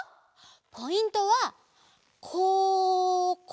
ポイントはここ！